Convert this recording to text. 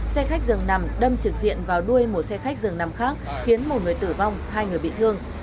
xe khách dường nằm đâm trực diện vào đuôi một xe khách dường nằm khác khiến một người tử vong hai người bị thương